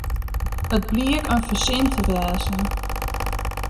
It bliek in fersin te wêzen.